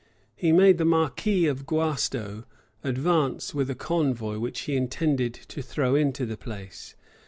He made the marquis of Guasto advance with a convoy, which he intended to throw into the place.